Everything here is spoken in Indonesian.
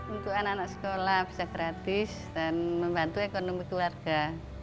untuk anak anak sekolah bisa gratis dan membantu ekonomi keluarga